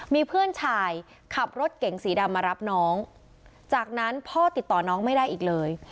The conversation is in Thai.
มีเพื่อนชายขับรถเก๋งสีดำมารับน้องจากนั้นพ่อติดต่อน้องไม่ได้อีกเลย